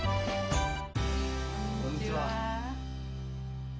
こんにちは。